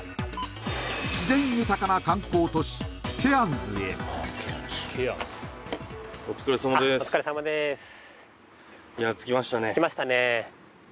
自然豊かな観光都市ケアンズへあっお疲れさまです着きましたね